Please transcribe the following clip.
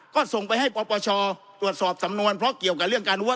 ก็ส่งไปให้ปปชตรวจสอบสำนวนเพราะเกี่ยวกับเรื่องการว่า